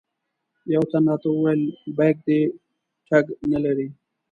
یوه تن راته وویل بیک دې ټګ نه لري.